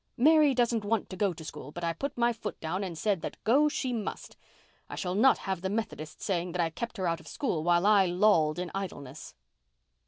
Mary doesn't want to go to school, but I put my foot down and said that go she must. I shall not have the Methodists saying that I kept her out of school while I lolled in idleness."